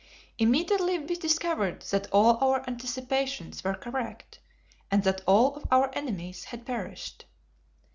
Immediately we discovered that all our anticipations were correct and that all of our enemies had perished.